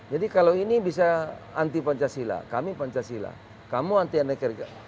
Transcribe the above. jadi kalau ini bisa anti pancasila kami pancasila kamu anti anekariga